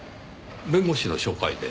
弁護士の紹介で？